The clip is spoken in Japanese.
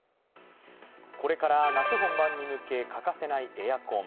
これから夏本番に向け欠かせないエアコン。